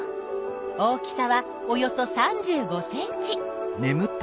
大きさはおよそ３５ｃｍ！